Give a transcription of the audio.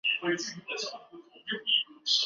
背上都是严重的伤痕